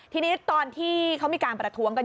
ทีนี้ตอนที่เขามีการประท้วงกัน